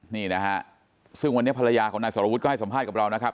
นี่นะฮะซึ่งวันนี้ภรรยาของนายสรวุฒิก็ให้สัมภาษณ์กับเรานะครับ